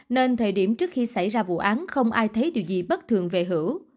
nên thời điểm trước khi xảy ra vụ án không ai thấy điều gì bất thường về hữu